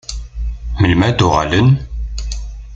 Melmi ad d-uɣalen?